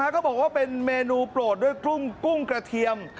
ก็ดูเป็นเมนูโปรดด้วยกุ้งกระเทียม